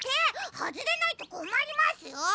はずれないとこまりますよ。